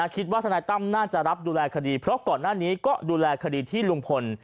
ทนายตั้มน่าจะรับดูแลคดีเพราะก่อนหน้านี้ก็ดูแลคดีที่ลุงพล